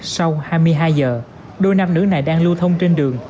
sau hai mươi hai giờ đôi nam nữ này đang lưu thông trên đường